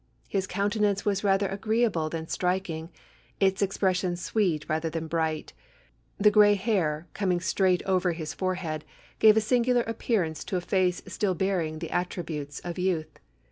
His countenance was rather agreeable than striking; its expression sweet rather than bright; the gray hair, coming straight over his forehead, gave a singular appearance to a face still bearing the attributes of youth.